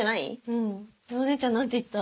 うんお姉ちゃん何て言った？